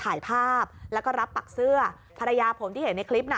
ถ่ายภาพแล้วก็รับปักเสื้อภรรยาผมที่เห็นในคลิปน่ะ